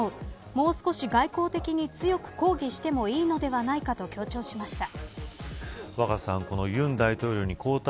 もう少し外交的に強く抗議してもいいのではないかと強調しました。